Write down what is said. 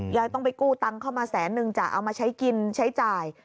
ยายต้องไปกู้ตังค์เข้ามาแสนนึงจะเอามาใช้กินใช้จ่าย